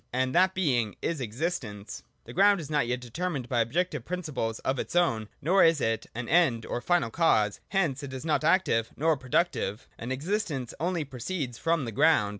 And that Being is Existence. The ground is not yet determined by objective prin ciples of its own, nor is it an end or final cause : hence it is not active, nor productive. An Existence only proceeds from the ground.